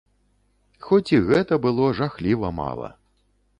Хоць і гэта было жахліва мала.